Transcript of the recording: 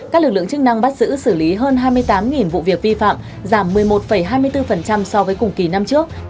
các lực lượng chức năng bắt giữ xử lý hơn hai mươi tám vụ việc vi phạm giảm một mươi một hai mươi bốn so với cùng kỳ năm trước